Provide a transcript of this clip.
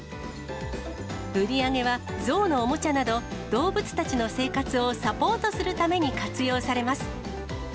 売り上げはゾウのおもちゃなど、動物たちの生活をサポートするために活用されます。